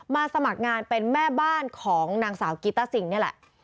สมัครงานเป็นแม่บ้านของนางสาวกีต้าซิงนี่แหละ